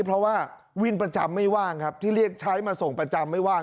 เพราะว่าวินประจำไม่ว่างครับที่เรียกใช้มาส่งประจำไม่ว่าง